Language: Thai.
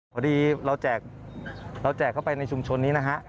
พอดีเราแจกเข้าไปในชุมชนนี้นะฮะ